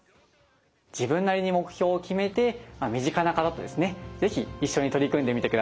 自分なりに目標を決めて身近な方とですね是非一緒に取り組んでみてください。